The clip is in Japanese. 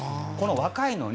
若いのに。